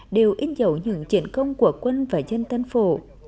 đều ít dẫu những chiến công của quân và dân tân phổ